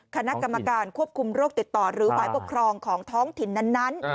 คณะกรรมการควบคุมโรคติดต่อหรือฝ่ายปกครองของท้องถิ่นนั้น